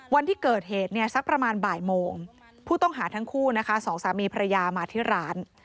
วันที่เกิดเหตุเนี่ยสักประมาณบ่ายโมงผู้ต้องหาทั้งคู่นะคะสองสามีภรรยามาที่ร้าน